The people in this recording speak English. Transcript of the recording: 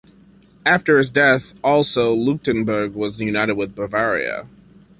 After his death also Leuchtenberg was united with Bavaria.